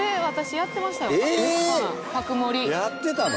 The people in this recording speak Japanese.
やってたの？